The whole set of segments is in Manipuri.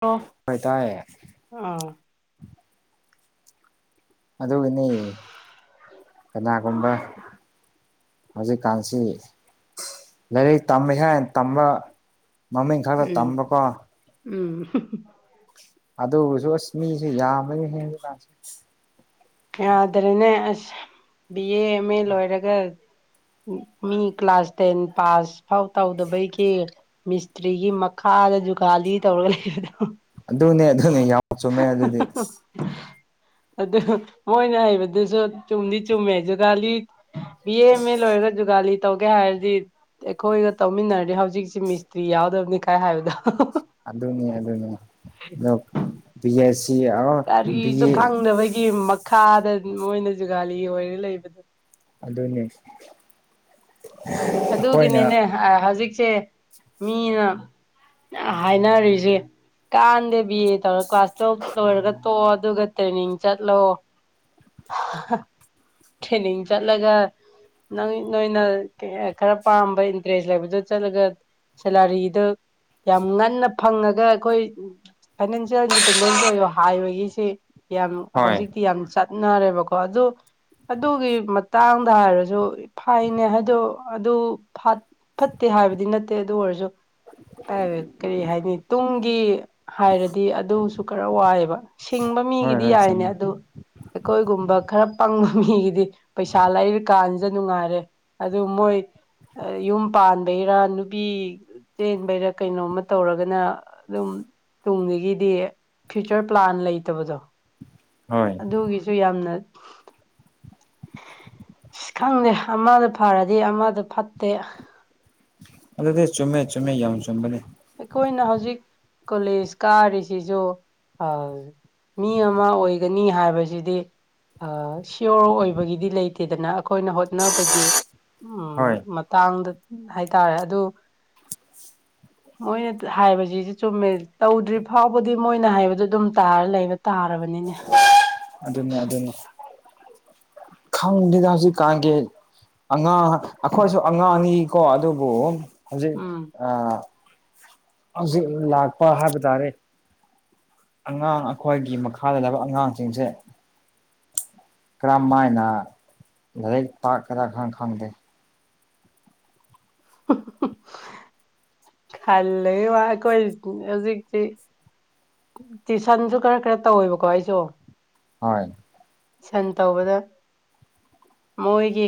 ꯑꯣ ꯍꯣꯏ ꯇꯥꯏꯌꯦ ꯑ [unintelligible] ꯑꯗꯨꯒꯤꯅꯤ ꯀꯅꯥꯒꯨꯝꯕ ꯍꯧꯖꯤꯛꯀꯥꯟꯁꯤ ꯂꯥꯏꯔꯤꯛ ꯇꯝꯃꯦ ꯍꯥꯏꯅ ꯇꯝꯕ ꯃꯃꯤꯡ ꯈꯔꯒ ꯎꯝ ꯇꯝꯕꯀꯣ ꯎꯝ [unintelligible] ꯑꯗꯨꯁꯨ ꯑꯁ ꯃꯤꯁꯦ ꯌꯥꯝꯃꯅꯤ ꯍꯦꯟꯕ ꯀꯥꯟꯁꯦ ꯌꯥꯗ꯭ꯔꯦꯅꯦ ꯑꯁ ꯕꯤ ꯑꯦ ꯑꯦꯝ ꯑꯦ ꯂꯣꯏꯔꯒ ꯃꯤ ꯀ꯭ꯂꯥꯁ ꯇꯦꯟ ꯄꯥꯁ ꯐꯥꯎ ꯇꯧꯗꯕꯩꯒꯤ ꯃꯤꯁꯇ꯭ꯔꯤꯒꯤ ꯃꯈꯥꯗ ꯖꯨꯒꯥꯂꯤ ꯇꯧꯔꯒ ꯂꯩꯕꯗꯣ ꯑꯗꯨꯅꯦ ꯑꯗꯨꯅꯦ ꯌꯥ [unintelligible] ꯑꯗꯨ ꯃꯣꯏꯅ ꯍꯩꯕꯗꯨꯁꯨ ꯆꯨꯝꯗꯤ ꯆꯨꯝꯃꯦ ꯖꯨꯒꯥꯂꯤ ꯕꯤ ꯑꯦ ꯑꯦꯝ ꯑꯦ ꯂꯣꯏꯔꯒ ꯖꯨꯒꯥꯂꯤ ꯇꯧꯒꯦ ꯍꯥꯏꯔꯗꯤ ꯑꯩꯈꯣꯏꯒ ꯇꯧꯃꯤꯟꯅꯔꯗꯤ ꯍꯧꯖꯤꯛꯁꯤ ꯃꯤꯁꯇ꯭ꯔꯤ ꯌꯥꯎꯗꯕꯅꯤ ꯀꯥꯏ ꯍꯥꯏꯕꯗꯣ ꯑꯗꯨꯅꯤ ꯑꯗꯨꯅꯤ ꯑꯗꯨ B S C [unintelligible] B A ꯑꯩꯈꯣꯏꯒꯤ ꯃꯛ ꯈꯥꯗ ꯃꯣꯏꯅ ꯖꯨꯒꯥꯂꯤ ꯑꯣꯏꯔ ꯂꯩꯕꯗꯨ ꯑꯗꯨꯅꯤ ꯑꯩꯈꯣꯏꯅ ꯑꯗꯨꯒꯤꯅꯤꯅꯦ ꯑ ꯍꯧꯖꯤꯛꯁꯦ ꯃꯤꯅ ꯍꯥꯏꯅꯔꯤꯖꯦ ꯀꯥꯟꯗꯦ ꯕꯤ ꯑꯦ ꯇꯧꯔ ꯀ꯭ꯂꯥꯁ ꯇꯨꯌꯦꯜꯐ ꯂꯣꯏꯔꯒ ꯇꯣꯛꯑꯣ ꯑꯗꯨꯒ ꯇ꯭ꯔꯦꯅꯤꯡ ꯆꯠꯂꯣ [unintelligible] ꯇ꯭ꯔꯦꯅꯤꯡ ꯆꯠꯂꯒ ꯅꯪ ꯅꯣꯏꯅ ꯈꯔ ꯄꯥꯝꯕ ꯏꯟꯇꯔꯦꯁ ꯂꯩꯕꯗꯣ ꯆꯠꯂꯒ ꯁꯦꯂꯥꯔꯤꯗꯨ ꯌꯥꯝ ꯉꯟꯅ ꯐꯪꯉꯒ ꯑꯩꯈꯣꯏ ꯐꯥꯏꯅꯥꯟꯁꯤꯌꯦꯜ ꯏꯟꯗꯤꯄꯦꯟꯗꯦꯟꯁ ꯑꯣꯏꯌꯣ ꯍꯥꯏꯕꯒꯤꯁꯤ ꯌꯥꯝ ꯍꯣꯏ ꯍꯧꯖꯤꯛꯇꯤ ꯌꯥꯝ ꯆꯠ ꯅꯔꯦꯕꯀꯣ ꯑꯗꯨ ꯑꯗꯨꯒꯤ ꯃꯇꯥꯡꯗ ꯍꯥꯏꯔꯁꯨ ꯐꯩꯅꯦ ꯑꯗꯨ ꯑꯗꯨ ꯐꯠ ꯐꯠꯇꯦ ꯍꯥꯏꯕꯗꯤ ꯅꯠꯇꯦ ꯑꯗꯨ ꯑꯣꯏꯔꯁꯨ ꯥ [unintelligible] ꯀꯔꯤ ꯍꯥꯏꯅꯤ ꯇꯨꯡꯒꯤ ꯍꯥꯏꯔꯗꯤ ꯑꯗꯨꯁꯨ ꯈꯔ ꯋꯥꯏꯑꯦꯕ ꯁꯤꯡꯕ ꯍꯣꯏ ꯃꯤꯒꯤꯗꯤ ꯍꯣꯏ ꯌꯥꯏꯅꯦ ꯆꯨꯝꯃꯦ ꯑꯗꯨ ꯑꯩꯈꯣꯏꯒꯨꯝꯕ ꯈꯔ ꯄꯪꯕ ꯃꯤꯒꯤꯗꯤ ꯄꯩꯁꯥ ꯂꯩꯔꯤ ꯀꯥꯟꯗ ꯅꯨꯡꯉꯥꯏꯔꯦ ꯑꯗꯨ ꯃꯣꯏ ꯌꯨꯝ ꯄꯥꯟꯕꯩꯔꯥ ꯅꯨꯄꯤ ꯆꯦꯟꯕꯩꯔ ꯀꯩꯅꯣꯝꯃ ꯇꯧꯔꯒꯅ ꯑꯗꯨꯝ ꯇꯨꯡꯖꯤꯒꯤꯗꯤ ꯐ꯭ꯌꯨꯆꯔ ꯄ꯭ꯂꯥꯟ ꯂꯩꯇꯕꯗꯣ ꯍꯣꯏ ꯑꯗꯨꯒꯤꯁꯨ ꯌꯥꯝꯅ ꯑꯁ ꯈꯪꯗꯦ ꯑꯃꯗ ꯐꯔꯗꯤ ꯑꯃꯗ ꯐꯠꯇꯦ ꯑꯗꯨꯗꯤ ꯆꯨꯝꯃꯦ ꯆꯨꯝꯃꯦ ꯌꯥꯝ ꯆꯨꯝꯕꯅꯦ ꯑꯩꯈꯣꯏꯅ ꯍꯧꯖꯤꯛ ꯀꯣꯂꯦꯖ ꯀꯥꯔꯤꯁꯤꯁꯨ ꯑ ꯃꯤ ꯑꯃ ꯑꯣꯏꯒꯅꯤ ꯍꯥꯏꯕꯁꯤꯗꯤ ꯑ ꯁꯤꯌꯣꯔ ꯑꯣꯏꯕꯒꯤꯗꯤ ꯂꯩꯇꯦꯗꯅ ꯑꯩꯈꯣꯏꯅ ꯍꯣꯠꯅꯕꯒꯤ ꯍꯣꯏ ꯎꯝ ꯃꯇꯥꯡꯗ ꯍꯥꯏꯇꯥꯔꯦ ꯑꯗꯨ ꯃꯣꯏꯅ ꯍꯥꯏꯕꯖꯤꯖꯨ ꯆꯨꯝꯃꯦ ꯇꯧꯗ꯭ꯔꯤ ꯐꯥꯎꯕꯗꯤ ꯃꯣꯏꯅ ꯍꯥꯏꯕꯗꯨ ꯑꯗꯨꯝ ꯇꯥꯔ ꯂꯩꯕ ꯇꯥꯔꯕꯅꯤꯅꯦ ꯑꯗꯨꯅꯤ ꯑꯗꯨꯅꯤ ꯈꯪꯗꯦꯗ ꯍꯧꯖꯤꯛꯀꯥꯟꯒꯤ ꯑꯉꯥꯡ ꯑꯩꯈꯣꯏꯁꯨ ꯑꯉꯥꯡꯅꯤꯀꯣ ꯑꯗꯨꯕꯨ ꯍꯧꯖꯤꯛ ꯎꯝ ꯑ ꯍꯧꯖꯤꯛ ꯂꯥꯛꯄ ꯍꯥꯏꯕ ꯇꯥꯔꯦ ꯑꯉꯥꯡ ꯑꯩꯈꯣꯏꯒꯤ ꯃꯈꯥꯗ ꯂꯩꯕ ꯑꯉꯥꯡꯁꯤꯡꯁꯦ ꯀ꯭ꯔꯝꯃꯥꯏꯅ ꯂꯥꯏꯔꯤꯛ ꯇꯥꯛꯀꯦꯔꯥ ꯈꯪ ꯈꯪꯗꯦ ꯈꯜꯂꯨꯏꯋꯥ ꯑꯩꯈꯣꯏ ꯍꯧꯖꯤꯛꯇꯤ ꯇ꯭ꯋꯨꯏꯁꯟꯁꯨ ꯈꯔ ꯈꯔ ꯇꯧꯋꯦꯕꯀꯣ ꯑꯩꯁꯨ ꯍꯣꯏ ꯁꯟ ꯇꯧꯕꯗ ꯃꯣꯏꯒꯤ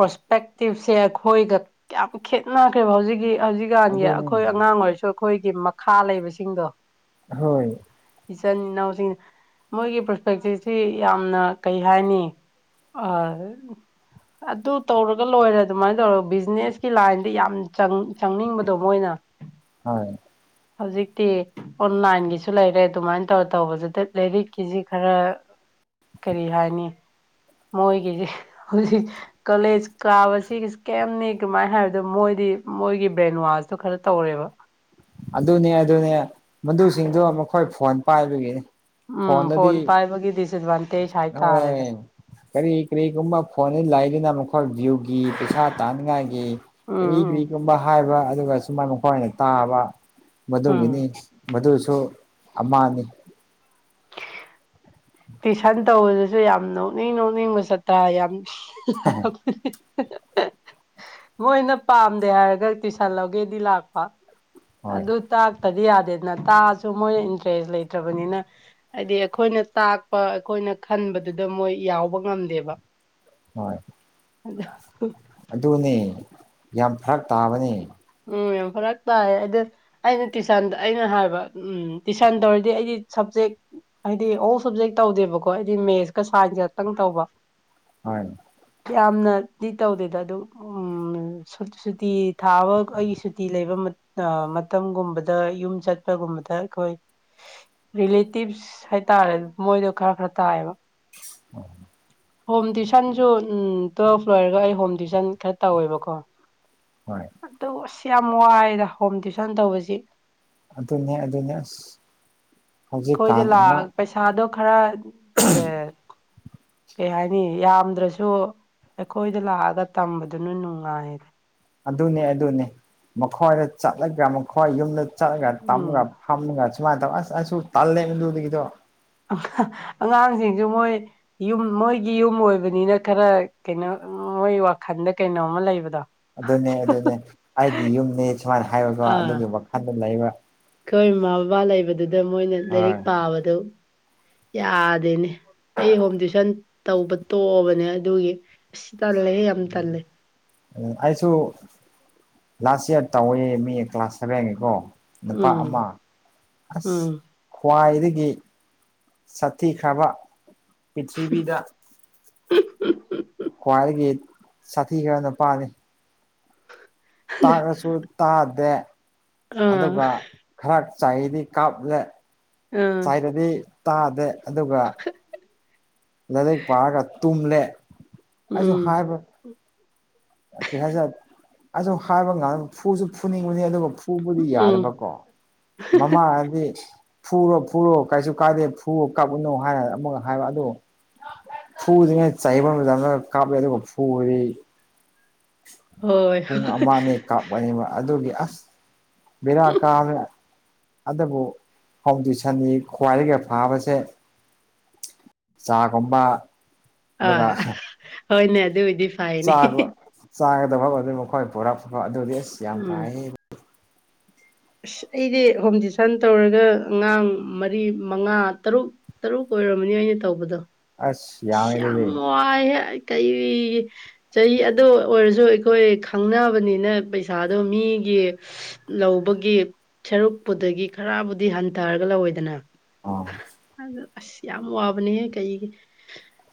ꯄ꯭ꯔꯣꯁꯄꯦꯛꯇꯤꯞꯁꯦ ꯑꯩꯈꯣꯏꯒ ꯌꯥꯝ ꯈꯦꯠꯅꯈ꯭ꯔꯦꯕ ꯍꯧꯖꯤꯛꯀꯤ ꯍꯧꯖꯤꯛꯀꯥꯟꯒꯤ ꯑꯗꯨꯅꯤ ꯑꯩꯈꯣꯏ ꯑꯉꯥꯡ ꯑꯣꯏꯔꯁꯨ ꯑꯩꯈꯣꯏꯒꯤ ꯃꯈꯥ ꯂꯩꯕꯁꯤꯡꯗꯣ ꯍꯣꯏ ꯏꯆꯤꯟ ꯏꯅꯥꯎꯁꯤꯡꯅ ꯃꯣꯏꯒꯤ ꯄ꯭ꯔꯣꯁꯄꯦꯛꯇꯤꯞꯁꯤ ꯌꯥꯝ ꯀꯩ ꯍꯥꯏꯅꯤ ꯑꯗꯨ ꯇꯧꯔꯒ ꯂꯣꯏꯔꯦ ꯑꯗꯨꯃꯥꯏꯅ ꯇꯧꯔꯒ ꯕꯤꯖꯤꯅꯦꯁꯀꯤ ꯂꯥꯏꯟꯗꯤ ꯌꯥꯝ ꯆꯪꯅꯤꯡꯕꯗꯣ ꯃꯣꯏꯅ ꯎꯝ ꯍ ꯍꯧꯖꯤꯛꯇꯤ ꯑꯣꯟꯂꯥꯏꯟꯒꯤꯁꯨ ꯂꯩꯔꯦ ꯑꯗꯨꯃꯥꯏꯅ ꯇꯧꯔ ꯇꯧꯕꯁꯤꯗ ꯂꯥꯏꯔꯤꯛꯀꯤꯁꯤ ꯈꯔ ꯀꯔꯤ ꯍꯥꯏꯅꯤ ꯃꯣꯏꯒꯤꯁꯦ ꯍꯧꯖꯤꯛ ꯀꯂꯦꯖ ꯀꯥꯕꯁꯤꯒꯤ ꯀꯩꯝꯅꯤ ꯀꯃꯥꯏꯅ ꯍꯥꯏꯕꯗꯣ ꯃꯣꯏꯗꯤ ꯃꯣꯏꯒꯤ ꯕ꯭ꯔꯦꯟ ꯋꯥꯁꯇꯣ ꯈꯔ ꯇꯧꯔꯦꯕ ꯑꯗꯨꯅꯦ ꯑꯗꯨꯅꯦ ꯃꯗꯨꯁꯤꯡꯗꯨꯣ ꯃꯈꯣꯏ ꯐꯣꯟ ꯄꯥꯏꯕꯒꯤꯅꯤ ꯎꯝ ꯐꯣꯟꯗꯗꯤ ꯐꯣꯟ ꯄꯥꯏꯕꯒꯤ ꯗꯤꯁꯑꯦꯠꯚꯥꯟꯇꯦꯖ ꯍꯣꯏ ꯍꯥꯏꯇꯥꯔꯦꯗ ꯀꯔꯤ ꯀꯔꯤ ꯀꯨꯝ ꯐꯣꯟ ꯏ ꯂꯥꯏꯗꯅ ꯃ ꯌꯒ ꯒꯤ ꯄꯩꯁꯥ ꯇꯥꯅꯤꯡꯉꯥꯏꯒꯤ ꯎꯝ ꯀꯔꯤ ꯎꯝ ꯀꯔꯤꯒꯨꯝꯕ ꯍꯥꯏꯕ ꯑꯗꯨꯒ ꯁꯨꯃꯥꯏꯅ ꯃꯈꯣꯏꯅ ꯇꯥꯕ ꯎꯝ ꯃꯗꯨꯒꯤꯅꯤ ꯃꯗꯨꯁꯨ ꯑꯃꯅꯤꯅꯤ ꯇꯨꯏꯁꯟ ꯇꯧꯕꯗꯁꯨ ꯌꯥꯝ ꯅꯣꯛꯅꯤꯡ ꯅꯣꯛꯅꯤꯡꯕ ꯆꯠꯄ ꯌꯥꯝ ꯃꯣꯏꯅ ꯄꯥꯝꯗꯦ ꯍꯥꯏꯔꯒ ꯇꯨꯏꯁꯟ ꯂꯧꯒꯦꯗꯤ ꯂꯥꯛꯄ ꯍꯣꯏ ꯑꯗ ꯇꯥꯛꯇꯗꯤ ꯌꯥꯗꯦꯗꯅ ꯇꯥꯛꯑꯁꯨ ꯃꯣꯏꯅ ꯏꯟꯇꯔꯦꯁ ꯂꯩꯇ꯭ꯔꯕꯅꯤꯅ ꯍꯥꯏꯗꯤ ꯑꯩꯈꯣꯏꯅ ꯑꯩꯈꯣꯏꯅ ꯈꯟꯕꯗꯨꯗ ꯃꯣꯏ ꯌꯥꯎꯕ ꯉꯝꯗꯦꯕ ꯍꯣꯏ ꯑꯗꯨ ꯑꯗꯨꯅꯦ ꯌꯥꯝ ꯐꯔꯛ ꯇꯥꯕꯅꯤ ꯎꯝ ꯌꯥꯝ ꯐꯔꯛ ꯇꯥꯏ ꯑꯩꯗꯤ ꯑꯩꯅ ꯇꯨꯏꯁꯟ ꯑꯩꯅ ꯍꯥꯏꯕ ꯎꯝ ꯇꯨꯏꯁꯟ ꯇꯧꯔꯗꯤ ꯑꯩꯗꯤ ꯁꯕꯖꯦꯛ ꯍꯥꯏꯗꯤ ꯑꯣꯜ ꯁꯕꯖꯦꯛ ꯇꯧꯗꯦꯕꯀꯣ ꯍꯥꯏꯗꯤ ꯃꯦꯠꯁꯀ ꯁꯥꯏꯟꯁ ꯈꯛꯇꯪ ꯇꯧꯕ ꯍ ꯌꯥꯝꯅꯗꯤ ꯇꯧꯗꯦꯗ ꯑꯗꯨꯝ ꯎꯝ ꯁꯨꯇꯤ ꯊꯥꯕ ꯑꯩꯒꯤ ꯁꯨꯇꯤ ꯂꯩꯕ ꯃꯇꯝꯒꯨꯝꯕꯗ ꯌꯨꯝ ꯆꯠꯄꯒꯨꯝꯕꯗ ꯑꯩꯈꯣꯏ ꯔꯤꯂꯦꯇꯤꯞꯁ ꯍꯥꯏꯇꯥꯔꯦ ꯃꯣꯏꯗꯣ ꯈꯔ ꯈꯔ ꯇꯥꯏꯑꯌꯦꯕ ꯑꯣ ꯍꯣꯝ ꯇ꯭ꯋꯨꯁꯟꯁꯨ ꯎꯝ ꯇꯨꯋꯦꯜꯐ ꯂꯣꯏꯔꯒ ꯑꯩ ꯍꯣꯝ ꯇ꯭ꯨꯁꯟ ꯈꯔ ꯇꯧꯋꯦꯕꯀꯣ ꯍꯣꯏ ꯑꯗꯨ ꯑꯁ ꯌꯥꯝ ꯋꯥꯏꯗ ꯍꯣꯝ ꯇ꯭ꯋꯨꯁꯟ ꯇꯧꯕꯁꯤ ꯑꯗꯨꯅꯦ ꯑꯗꯨꯅꯦ ꯑꯩꯈꯣꯏꯗ ꯍꯧꯖꯤꯛꯀꯥꯟ ꯂ ꯑꯉꯥꯡ ꯄꯩꯁꯥꯗꯣ ꯈꯔ ꯑꯦ ꯀꯩ ꯍꯥꯏꯅꯤ ꯌꯥꯝꯗ꯭ꯔꯁꯨ ꯑꯩꯈꯣꯏꯗ ꯂꯥꯛꯑꯒ ꯇꯝꯕꯗꯨꯅ ꯅꯨꯡꯉꯥꯏꯌꯦ ꯑꯗꯨꯅꯦ ꯑꯗꯨꯅꯤ ꯃꯈꯣꯏꯗ ꯆꯠꯂꯒ ꯃꯈꯣꯏ ꯌꯨꯝꯗ ꯆꯠꯂꯒ ꯎꯝ ꯇꯝꯒ ꯍꯥꯝꯅꯒ ꯁꯨꯃꯥꯏꯅ ꯇꯧ ꯑꯁ ꯑꯁꯨ ꯇꯜꯂꯦꯗꯨꯗꯒꯤꯗꯣ ꯑꯉꯥꯡꯁꯤꯡꯁꯨ ꯃꯣꯏ ꯌꯨꯝ ꯃꯣꯏꯒꯤ ꯌꯨꯝ ꯑꯣꯏꯕꯅꯤꯅ ꯈꯔ ꯀꯩꯅꯣ ꯃꯣꯏ ꯋꯥꯈꯜꯗ ꯀꯩꯅꯣꯝꯃ ꯂꯩꯕꯗꯣ ꯑꯗꯨꯅꯦ ꯑꯗꯨꯅꯦ ꯑꯩꯒꯤ ꯌꯨꯝꯅꯤ ꯁꯨꯃꯥꯏꯅ ꯍꯥꯏꯔꯒ ꯑꯥ ꯑꯗꯨꯒꯤ ꯋꯥꯈꯜꯗ ꯂꯩꯕ ꯑꯩꯈꯣꯏ ꯃꯃꯥ ꯕꯕꯥ ꯂꯩꯕꯗꯨꯗ ꯃꯣꯏꯅ ꯂꯥꯏꯔꯤꯛ ꯍꯣꯏ ꯄꯥꯕꯗꯨ ꯌꯥꯗꯦꯅꯦ ꯑꯩ ꯍꯣꯝ ꯇ꯭ꯋꯨꯁꯟ ꯇꯧꯕ ꯇꯣꯛꯑꯕꯅꯦ ꯑꯗꯨꯒꯤ ꯑꯁ ꯇꯜꯂꯦ ꯌꯥꯝ ꯇꯥꯜꯂꯦ ꯎꯝ ꯑꯩꯁꯨ ꯂꯥꯁ ꯏꯌꯥꯔ ꯇꯧꯏ ꯃꯤ ꯀ꯭ꯂꯥꯁ ꯁꯚꯦꯟꯒꯤꯀꯣ ꯅꯨꯄꯥ ꯎꯝ ꯑꯃ ꯑꯁ ꯎꯝ ꯈ꯭ꯋꯥꯏꯗꯒꯤ ꯁꯥꯊꯤꯈ꯭ꯔꯕ ꯄꯤꯔꯤꯊꯤꯕꯤꯗ [unintelligible] ꯈ꯭ꯋꯥꯏꯗꯒꯤ ꯁꯥꯊꯤꯈ꯭ꯔ ꯅꯨꯄꯥꯅꯤ ꯇꯥꯛꯑꯁꯨ ꯇꯥꯗꯦ ꯑꯥ ꯑꯗꯨꯒ ꯈꯔ ꯆꯍꯤꯥꯗꯤ ꯀꯥꯞꯂꯦ ꯑꯥ ꯁꯥꯏꯗꯗꯤ ꯇꯥꯗꯦ ꯑꯗꯨꯒ ꯂꯥꯏꯔꯤꯛ ꯄꯥꯔꯒ ꯇꯨꯝꯂꯦ ꯑꯩꯁꯨ ꯎꯝ ꯍꯥꯏꯕ ꯀꯦꯍꯥꯖꯟ ꯑꯗꯨ ꯍꯥꯏꯕ ꯉꯥꯡꯗꯣ ꯐꯨꯁꯨ ꯐꯨꯅꯤꯡꯕꯅꯤ ꯑꯗꯨꯒ ꯐꯨꯕꯥꯗꯤ ꯎꯝ ꯌꯥꯗꯕꯀꯣ ꯃꯃꯥꯅꯗꯤ ꯐꯨꯔꯣ ꯐꯨꯔꯣ ꯀꯩꯁꯨ ꯀꯥꯏꯗꯦ ꯐꯨꯔꯣ ꯀꯥꯞꯎꯨꯅꯨ ꯍꯥꯏꯔ ꯑꯃꯨꯛꯒ ꯍꯥꯏꯕ ꯑꯗꯣ ꯐꯨꯁꯤꯉ ꯆꯕ ꯃꯇꯝꯗ ꯀꯥꯞꯄꯦ ꯑꯗꯨꯒ ꯐꯨꯗꯤ ꯍꯣꯏ ꯄꯨꯡ ꯑꯃꯥ ꯑꯅꯤꯈꯛ ꯑꯣꯏꯑꯦꯕ ꯑꯗꯨꯒꯤ ꯑꯁ ꯕꯤꯦꯔꯥ ꯀꯥ ꯑꯗꯨꯕꯨ ꯐꯥꯎꯗꯤꯁꯟꯅꯤ ꯈ꯭ꯋꯥꯏꯗꯒꯤ ꯐꯥꯕꯁꯦ ꯆꯥꯒꯨꯝꯕ ꯑꯗꯨꯒ ꯑꯥ ꯍꯣꯏꯅꯦ ꯑꯗꯨꯏꯗꯤ ꯆꯒ ꯆꯥꯒꯗꯕ ꯑꯣꯏꯗꯤ ꯃꯈꯣꯏ ꯄꯨꯔꯛꯄ ꯑꯗꯨꯗꯤ ꯑꯁ ꯌꯥꯝ ꯎꯝ ꯐꯍꯦ ꯑꯁ ꯑꯩꯗꯤ ꯍꯣꯝ ꯇ꯭ꯨꯁꯟ ꯇꯧꯔꯒ ꯑꯉꯥꯡ ꯃꯔꯤ ꯃꯉꯥ ꯇꯔꯨꯛ ꯇꯔꯨꯛ ꯑꯣꯏꯔꯝꯃꯅꯤ ꯑꯩꯅ ꯇꯧꯕꯗꯣ ꯑꯁ ꯏꯁ ꯌꯥꯝꯃꯦ ꯌꯥꯝ ꯑꯗꯨꯗꯤ ꯋꯥꯏꯍꯦ ꯀꯩꯔꯤꯒꯤ ꯆꯍꯤ ꯑꯗꯨ ꯑꯣꯏꯔꯁꯨ ꯑꯩꯈꯣꯏ ꯈꯪꯅꯕꯅꯤꯅ ꯄꯩꯁꯥꯗꯣ ꯃꯤꯒꯤ ꯂꯧꯕꯒꯤ ꯁꯔꯨꯛꯄꯨꯗꯒꯤ ꯈꯔꯕꯨꯗꯤ ꯍꯟꯊꯔꯒ ꯂꯧꯋꯦꯗꯅ ꯑꯥ ꯑꯗꯨ ꯑꯁ ꯌꯥꯝ ꯋꯥꯕꯅꯦꯍꯦ ꯀꯩꯒꯤ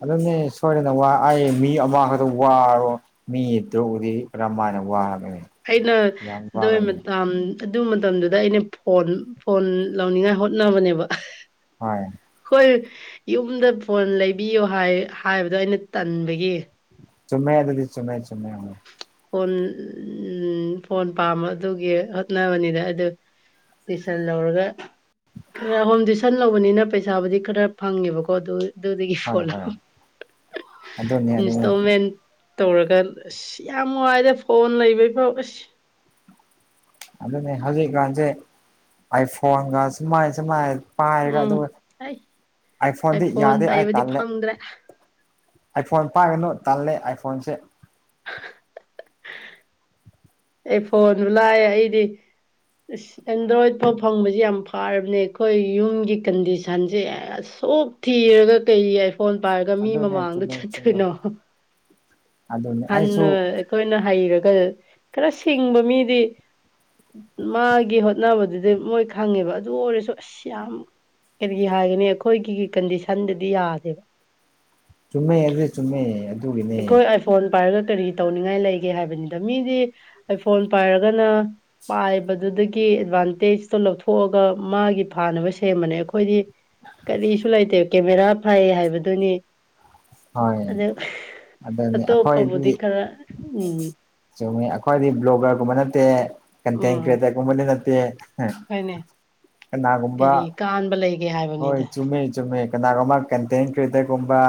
ꯑꯗꯨꯅꯦ ꯁꯣꯏꯗꯅ ꯋꯥ ꯑꯩ ꯃꯤ ꯑꯃꯈꯛꯇ ꯋꯥꯔꯣ ꯃꯤ ꯇ꯭ꯔꯨꯛꯕꯨꯗꯤ ꯀꯔꯃꯥꯏꯅ ꯋꯥꯔꯕꯅꯦ ꯑꯩꯅ ꯑꯗꯨꯏ ꯃꯇꯥꯝ ꯑꯗꯨ ꯃꯇꯝꯗꯨꯗ ꯑꯩꯅ ꯐꯣꯟ ꯐꯣꯟ ꯂꯧꯅꯤꯡꯉꯥꯏ ꯍꯣꯠꯅꯕꯅꯦꯕ ꯍꯣꯏ꯫ ꯍꯣꯏ ꯌꯨꯝꯗ ꯐꯣꯟ ꯂꯩꯕꯤꯌꯣ ꯍꯥꯏ ꯍꯥꯏꯕꯗꯣ ꯑꯩꯅ ꯇꯟꯕꯒꯤ ꯆꯨꯝꯃꯦ ꯑꯗꯨꯗꯤ ꯆꯨꯝꯃꯦ ꯆꯨꯝꯃꯦ ꯐꯣꯟ ꯎꯝ ꯐꯣꯟ ꯄꯥꯝꯕ ꯑꯗꯨꯒꯤ ꯍꯣꯠꯅꯕꯅꯤꯗ ꯑꯗꯨ ꯇꯨꯏꯁꯟ ꯂꯧꯔꯒ ꯈꯔꯥ ꯍꯣꯝ ꯇ꯭ꯌꯏꯁꯟ ꯂꯧꯕꯅꯤꯅ ꯄꯩꯁꯥꯕꯨꯗꯤ ꯈꯔ ꯐꯪꯉꯦꯕꯀꯣ ꯑꯗꯨ ꯑꯗꯨꯗꯒꯤ ꯍꯣꯏ ꯐꯣꯟ ꯍꯣꯏ ꯂꯧ ꯑꯗꯨꯅꯦ ꯑꯗꯨꯅꯦ ꯏꯟꯁꯇꯣꯜꯃꯦꯟ ꯇꯧꯔꯒꯥ ꯑꯁ ꯌꯥꯝ ꯋꯥꯏꯗꯥ ꯐꯣꯟ ꯂꯩꯕꯩꯐꯥꯎ ꯑꯁ ꯑꯗꯨꯅꯦ ꯍꯧꯖꯤꯛꯀꯥꯟꯁꯦ ꯑꯥꯏꯐꯣꯟꯒ ꯁꯨꯃꯥꯏꯅ ꯁꯨꯃꯥꯏꯅ ꯄꯥꯏꯔꯒ ꯎꯝ ꯑꯗꯨꯒ ꯑꯩ ꯑꯩ ꯑꯥꯏꯐꯣꯟꯗꯤ ꯐꯣꯟ ꯌꯥꯗꯦ ꯑꯥꯥꯢ ꯄꯥꯏꯕꯗꯤ ꯇꯥꯜꯂꯦ ꯐꯪꯗ꯭ꯔꯦ ꯑꯥꯏꯐꯣꯟ ꯄꯥꯏꯒꯅꯨ ꯇꯥꯜꯂꯦ ꯑꯥꯏꯐꯣꯟꯁꯦ ꯑꯩꯐꯣꯟꯕꯨ ꯂꯥꯢꯔꯤ ꯑꯩꯗꯤ ꯑꯁ ꯑꯦꯟꯗ꯭ꯔꯣꯏꯗ ꯐꯥꯎ ꯐꯪꯕꯕꯁꯤ ꯌꯥꯝ ꯐꯔꯕꯅꯦ ꯑꯩꯈꯣꯏ ꯌꯨꯝꯒꯤ ꯀꯟꯗꯤꯁꯟꯁꯦ ꯑꯁꯨꯛ ꯊꯤꯔꯒ ꯀꯩꯒꯤ ꯑꯥꯏꯐꯣꯟ ꯄꯥꯏꯔꯒ ꯃꯤ ꯑꯗꯨꯅꯦ ꯃꯃꯥꯡꯗ ꯆꯨꯝꯃꯦ ꯆꯨꯝꯃꯦ ꯆꯠꯇꯣꯏꯅꯣ [unintelligible] ꯍꯟꯅ ꯑꯩꯁꯨ ꯑꯩꯈꯣꯏꯅ ꯍꯩꯔꯒ ꯈꯔ ꯁꯤꯡꯕ ꯃꯤꯗꯤ ꯃꯥꯒꯤ ꯍꯣꯠꯅꯕꯗꯨꯗꯤ ꯃꯣꯏ ꯈꯪꯉꯦꯕ ꯑꯗꯨ ꯑꯣꯏꯔꯁꯨ ꯑꯁ ꯌꯥꯝ ꯀꯔꯤꯒꯤ ꯍꯥꯏꯒꯅꯤ ꯑꯩꯈꯣꯏꯒꯤ ꯀꯟꯗꯤꯁꯟꯗꯗꯤ ꯌꯥꯗꯦꯕ ꯆꯨꯝꯃꯦ ꯌꯥꯗꯦ ꯆꯨꯝꯃꯦ ꯑꯗꯨꯒꯤꯅꯦ ꯑꯩꯈꯣꯏ ꯑꯥꯏꯐꯣꯟ ꯄꯥꯏꯔꯒ ꯀꯔꯤ ꯇꯧꯅꯤꯡꯉꯥꯏ ꯂꯩꯒꯦ ꯍꯥꯏꯕꯅꯤꯗ ꯃꯤꯗꯤ ꯑꯥꯏꯐꯣꯟ ꯄꯥꯏꯔꯒꯅ ꯄꯥꯏꯕꯗꯨꯗꯒꯤ ꯑꯦꯠꯚꯥꯟꯇꯦꯖꯇꯣ ꯂꯧꯊꯣꯛꯑꯒ ꯃꯥꯒꯤ ꯐꯥꯅꯕ ꯁꯦꯝꯕꯅꯦ ꯑꯩꯈꯣꯏꯗꯤ ꯀꯔꯤꯁꯨ ꯂꯩꯇꯦ ꯀꯦꯃꯦꯔꯥ ꯐꯥꯏ ꯍꯥꯏꯕꯗꯨꯅꯤ ꯍꯣꯏ ꯑꯗ ꯑꯗꯨꯅꯤ ꯑꯇꯣꯞꯄꯕꯨꯗꯤ ꯈꯔ ꯎꯝ ꯆꯨꯝꯃꯤ ꯑꯩꯈꯣꯏꯗꯤ ꯕ꯭ꯂꯣꯒꯔꯒꯨꯝꯕ ꯅꯠꯇꯦ ꯀꯟꯇꯦꯟ ꯎꯝ ꯀ꯭ꯔꯤꯌꯦꯇꯔꯒꯨꯝꯕꯗꯤ ꯅꯠꯇꯦ ꯍꯣꯏꯅꯦ ꯀꯅꯥꯒꯨꯝꯕ ꯀꯔꯤ ꯀꯥꯟꯕ ꯂꯩꯒꯦ ꯍꯣꯏ ꯍꯥꯏꯕꯅꯤꯗ ꯆꯨꯝꯃꯦ ꯆꯨꯝꯃꯦ ꯀꯅꯥꯒꯨꯝꯕ ꯀꯦꯟꯇꯦꯟ ꯀꯔꯤꯇꯒꯨꯝꯕ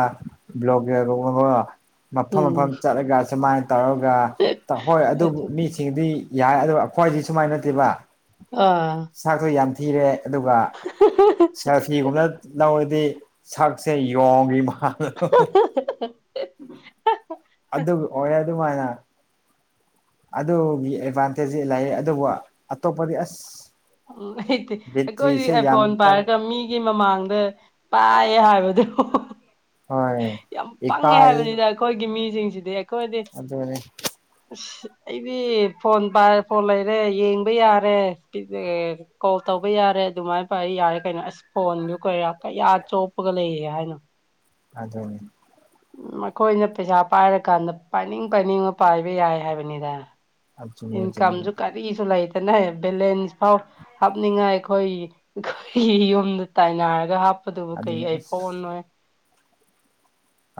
ꯕ꯭ꯂꯕ ꯃꯐꯝ ꯃꯐꯝ ꯎꯝ ꯆꯠꯂꯒ ꯁꯨꯃꯥꯏꯅ ꯇꯧꯔꯒ ꯍꯣꯏ ꯑꯗꯨꯕꯨ ꯃꯤ ꯁꯤꯡꯗꯤ ꯌꯥꯏ ꯑꯗꯨ ꯑꯩꯈꯣꯏꯗꯤ ꯁꯨꯃꯥꯏꯅ ꯅꯠꯇꯦꯕ ꯑ ꯆꯥꯛꯇꯣ ꯌꯥꯝ ꯊꯤꯔꯦ ꯑꯗꯨꯒ ꯁꯦꯜꯐꯤꯒꯨꯝꯕꯗ ꯂꯧꯔꯗꯤ ꯁꯛꯁꯦ ꯌꯣꯡꯒꯤ ꯃꯥ [unintelligible] ꯑꯗꯨ ꯑꯣꯏ ꯑꯗꯨꯃꯥꯏꯅ ꯑꯗꯨꯒꯤ ꯑꯦꯗꯚꯥꯟꯇꯦꯖꯇꯤ ꯂꯩ ꯑꯗꯨꯕꯨ ꯑꯇꯣꯞꯄꯗꯤ ꯑꯁ ꯎꯝ ꯍꯩꯇꯦ ꯑꯩꯈꯣꯏꯗꯤ ꯕꯦꯇ꯭ꯔꯤꯁꯦ ꯌꯥꯝ ꯑꯥꯏꯐꯣꯟ ꯆꯠꯂꯦ ꯄꯥꯏꯔꯒ ꯃꯤꯒꯤ ꯃꯃꯥꯡꯗ ꯄꯥꯏꯌꯦ ꯍꯥꯏꯕꯗꯨ ꯍꯣꯏ ꯌꯥꯝ ꯄꯪꯉꯦ ꯏꯀꯥꯏ ꯍꯥꯏꯕꯅꯤꯗ ꯑꯩꯈꯣꯏꯒꯤ ꯃꯤꯁꯤꯡꯁꯤꯗꯤ ꯑꯩꯈꯣꯏꯗꯤ ꯑꯗꯨꯅꯤ ꯑꯁ ꯑꯩꯗꯤ ꯐꯣꯟ ꯄꯥꯏ ꯐꯣꯟ ꯂꯩꯔꯦ ꯌꯦꯡꯕ ꯌꯥꯔꯦ [unintelligible] ꯀꯣꯜ ꯇꯧꯕ ꯌꯥꯔꯦ ꯑꯗꯨꯃꯥꯏꯅ ꯄꯥꯏ ꯌꯥꯔꯦ ꯀꯩꯅꯣ ꯑꯁ ꯐꯣꯟꯗꯨ ꯀꯩꯔꯥ ꯀꯌꯥ ꯆꯣꯞꯄꯒ ꯂꯩꯒꯦ ꯍꯥꯏꯅꯣ ꯑꯗꯨꯅꯦ ꯎꯝ ꯃꯈꯣꯏꯅ ꯄꯩꯁꯥ ꯄꯥꯏꯔꯀꯥꯟꯗ ꯄꯥꯏꯅꯤꯡ ꯄꯥꯏꯅꯤꯡꯉ ꯄꯥꯏꯕ ꯌꯥꯏ ꯍꯥꯏꯕꯅꯤꯗ ꯆꯨꯝꯃꯦ ꯆꯨꯝꯃꯦ ꯏꯟꯀꯝꯁꯨ ꯀꯔꯤꯁꯨ ꯂꯩꯇꯅ ꯕꯦꯂꯦꯟꯁ ꯐꯥꯎ ꯍꯥꯞꯅꯤꯡꯉꯥꯏ ꯑꯩꯈꯣꯏ ꯑꯩꯈꯣꯏꯒꯤ ꯌꯨꯝꯗ ꯇꯥꯏꯅꯔꯒ ꯍꯥꯞꯄꯗꯨꯕꯨ ꯀꯩ ꯑꯗꯨꯅꯤ ꯑꯁ ꯑꯥꯏꯐꯣꯟꯅꯣꯍꯦ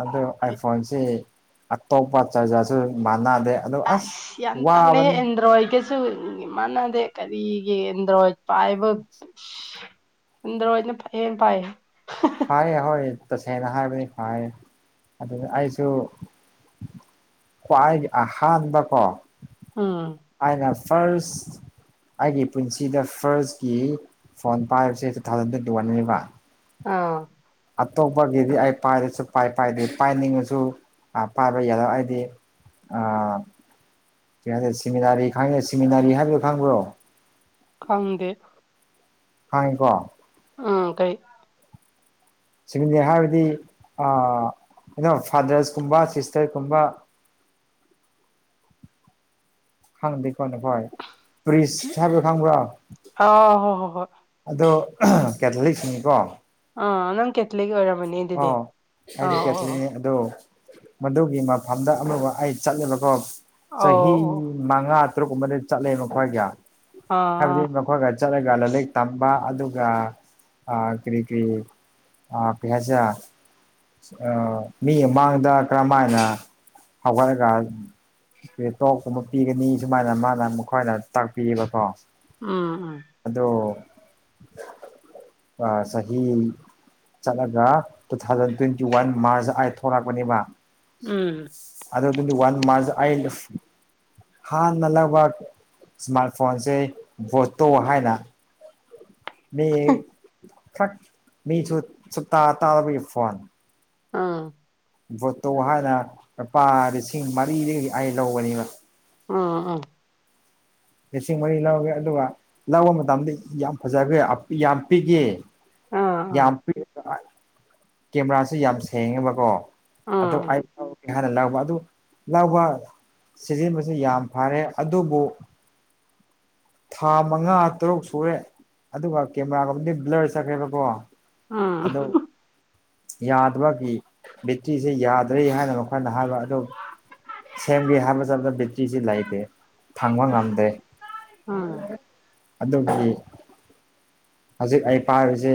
ꯑꯗꯨ ꯑꯥꯏꯐꯣꯟꯁꯤ ꯑꯇꯣꯞꯄ ꯆꯥꯔꯖꯔꯁꯨ ꯃꯥꯟꯅꯗꯦ ꯑꯗꯣ ꯑꯁ ꯑꯥꯏꯁ ꯌꯥꯝ ꯇꯜꯂꯦ ꯋꯥꯕꯅꯤ ꯑꯦꯟꯗ꯭ꯔꯣꯏꯠ ꯀ ꯁꯨ ꯃꯥꯟꯅꯗꯦ ꯀꯔꯤꯒꯤ ꯑꯦꯟꯗ꯭ꯔꯣꯏꯗ ꯄꯥꯏꯕ ꯑꯟꯗ꯭ꯔꯣꯏꯗꯅ ꯐꯍꯦ ꯄꯥꯏ ꯐꯌꯦ ꯍꯣꯏ ꯇꯁꯦꯡꯅ ꯍꯥꯏꯕꯅꯤ ꯐꯥꯏ ꯑꯗꯨ ꯑꯩꯁꯨ ꯈ꯭ꯋꯥꯏꯒꯤ ꯑꯍꯥꯟꯕ ꯀꯣ ꯎꯝ ꯑꯩꯅ ꯐꯥꯔꯁ ꯑꯩꯒꯤ ꯄꯨꯟꯁꯤꯗ ꯐꯥꯔꯁꯀꯤ ꯐꯣꯟ ꯄꯥꯏꯕꯁꯦ ꯇꯨ ꯊꯥꯎꯖꯟ ꯇ꯭ꯋꯦꯟꯇꯤ ꯋꯥꯟꯅꯦꯕ ꯑꯥ ꯑꯇꯣꯞꯄꯒꯤꯗꯤ ꯑꯩ ꯄꯥꯏꯔꯁꯨ ꯄꯥꯏ ꯄꯥꯏꯗꯦ ꯄꯥꯏꯅꯤꯡꯉꯁꯨ ꯄꯥꯏꯕ ꯌꯥꯗ ꯑꯩꯗꯤ ꯑ ꯀꯩ ꯍꯥꯏꯗꯣ ꯁꯤꯃꯤꯅꯥꯔꯤ ꯈꯪꯉꯦ ꯁꯤꯃꯤꯅꯥꯔꯤ ꯍꯥꯏꯕꯗꯨ ꯈꯪꯕ꯭ꯔꯣ ꯈꯪꯗꯦ ꯈꯪꯉꯦꯀꯣ ꯎꯝ ꯀꯩ ꯁꯤꯝꯃꯤꯅꯤ ꯍꯥꯏꯕꯗꯤ ꯀꯩꯅꯣ ꯐꯥꯗꯔꯁꯀꯨꯝꯕ ꯁꯤꯁꯇꯔ ꯀꯨꯝꯕ ꯈꯪꯗꯦꯀꯣ ꯅꯈꯣꯏ ꯄ꯭ꯔꯤꯁꯠ ꯍꯥꯏꯕꯗꯣ ꯈꯪꯕ꯭ꯔꯣ ꯑꯥ ꯍꯣ ꯍꯣ ꯍꯣꯏ ꯑꯗꯣ ꯀꯦꯊꯂꯤꯛꯁꯤꯡꯒꯤꯀꯣ ꯑ ꯅꯪ ꯀꯦꯊꯂꯤꯛ ꯑꯣꯏꯔ ꯑ ꯑꯩꯗꯤ ꯀꯦꯊꯂꯤꯅꯤ ꯑꯗꯣ ꯃꯗꯨꯒꯤ ꯃꯐꯝꯗ ꯑꯃ ꯑꯩ ꯆꯠꯂꯦꯕꯀꯣ ꯑꯣ ꯆꯍꯤ ꯑꯧ ꯑꯣ ꯃꯉꯥ ꯇꯔꯨꯛꯀꯨꯝꯕꯗꯤ ꯆꯠꯂꯦ ꯃꯈꯣꯏꯒ ꯍꯥꯏꯕꯗꯤ ꯑꯥ ꯃꯈꯣꯏꯒ ꯆꯠꯂꯒ ꯂꯥꯏꯔꯤꯛ ꯇꯝꯕ ꯑꯗꯨꯒ ꯀꯔꯤ ꯀꯔꯤ ꯀꯔꯤ ꯍꯥꯏꯁꯤꯔ ꯑ ꯃꯤ ꯃꯥꯡꯗ ꯀꯔꯝꯃꯥꯏꯅ ꯍꯧꯒꯠꯂꯒ ꯇꯣꯛꯀꯨꯝꯕ ꯄꯤꯒꯅꯤ ꯁꯨꯃꯥꯏꯅ ꯃꯥꯅ ꯃꯈꯣꯏꯗ ꯇꯥꯛꯄꯤꯌꯦꯕꯀꯣ ꯎꯝ ꯎꯝ ꯑꯗꯣ ꯑ ꯆꯍꯤ ꯆꯠꯂꯒ two thousand twenty one March ꯑꯥꯏ ꯊꯣꯛꯂꯛꯄꯅꯦꯕ ꯎꯝ ꯑꯗꯨ ꯇ꯭ꯋꯦꯟꯇꯤꯋꯥꯟ ꯃꯥꯁꯗ ꯑꯩ ꯍꯥꯟꯅ ꯂꯧꯕ ꯏꯁꯃꯥꯔꯠ ꯐꯣꯟꯁꯦ ꯕꯣꯇꯣ ꯍꯥꯏꯅ ꯃꯤ ꯈꯛ ꯃꯤꯁꯨ ꯁꯨꯇꯥ ꯇꯥꯗꯕꯒꯤ ꯐꯣꯟ ꯑꯥ ꯚꯣꯇꯣ ꯍꯥꯏꯅ ꯂꯨꯄꯥ ꯂꯤꯁꯤꯡ ꯃꯔꯤꯗꯒꯤ ꯑꯩ ꯂꯧꯒꯅꯦꯕ ꯎꯝ ꯎꯝ ꯂꯤꯁꯤꯡ ꯃꯔꯤ ꯂꯧꯒꯦ ꯑꯗꯨꯒ ꯂꯧꯕ ꯃꯇꯝꯗ ꯌꯥꯝ ꯐꯖꯈ꯭ꯔꯦ ꯑꯄꯤ ꯌꯥꯝ ꯄꯤꯒꯦ ꯑꯥ ꯑꯥ ꯌꯥꯝ ꯀꯦꯃꯦꯔꯥꯁꯨ ꯌꯥꯝ ꯁꯦꯡꯉꯦꯕꯀꯣ ꯑꯗꯣ ꯎꯝ ꯑꯩꯄꯥꯎ ꯍꯥꯟꯅ ꯂꯧꯎꯕ ꯑꯗꯨ ꯂꯧꯎꯕ ꯁꯤꯖꯤꯟꯕꯁꯤ ꯌꯥꯝ ꯐꯔꯦ ꯑꯗꯨꯕꯨ ꯊꯥ ꯃꯉꯥ ꯇꯔꯨꯛ ꯁꯨꯔꯦ ꯑꯗꯨꯒ ꯀꯦꯃꯦꯔꯥꯒꯨꯝꯕꯗꯤ ꯕ꯭ꯂꯔ ꯆꯠꯈ꯭ꯔꯦꯕꯀꯣ ꯑꯗꯨ ꯎꯝ ꯌꯥꯗꯕꯒꯤ ꯕꯦꯛꯇ꯭ꯔꯤꯁꯤ ꯌꯥꯗ꯭ꯔꯦ ꯍꯥꯏꯅ ꯃꯈꯣꯏꯅ ꯍꯥꯏꯕ ꯑꯗꯨ ꯁꯦꯝꯒꯦ ꯍꯥꯏꯕ ꯆꯠꯄ ꯕꯦꯇ꯭ꯔꯤꯁꯤ ꯂꯩꯇꯦ ꯐꯪꯕ ꯉꯝꯗꯦ ꯎꯝ ꯎꯝ ꯑꯗꯨꯗꯤ ꯍꯧꯖꯤꯛ ꯑꯩ ꯄꯥꯏꯔꯤꯁꯤ